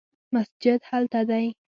مسجد هلته دی